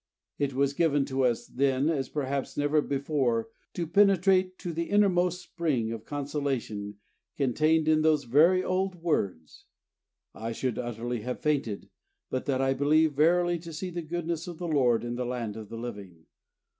It was given to us then as perhaps never before to penetrate to the innermost spring of consolation contained in those very old words: "I should utterly have fainted, but that I believe verily to see the goodness of the Lord in the land of the living.